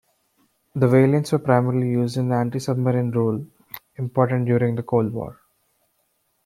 The "Valiant"s were primarily used in the anti-submarine role, important during the Cold War.